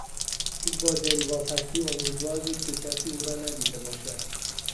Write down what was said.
او با دلواپسی امیدوار بود که کسی او را ندیده باشد.